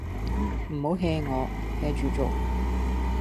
唔好 hea 我 ，hea 住做